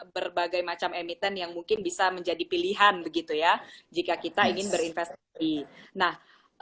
berbagai macam emiten yang mungkin bisa menjadi pilihan begitu ya jika kita ingin berinvestasi nah